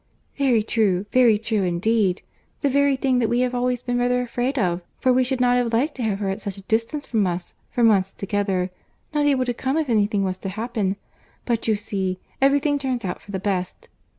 "Very true, very true, indeed. The very thing that we have always been rather afraid of; for we should not have liked to have her at such a distance from us, for months together—not able to come if any thing was to happen. But you see, every thing turns out for the best.